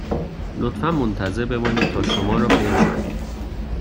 لطفاً منتظر بمانید تا شما را بنشانیم